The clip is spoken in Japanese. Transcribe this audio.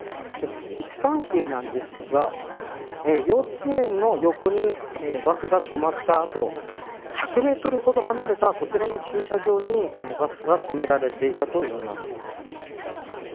位置関係なんですが幼稚園の横にバスが止まった後１００メートルほど離れたこちらの駐車場にバスが止められていたといいます。